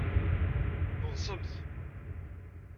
Ḍsemt!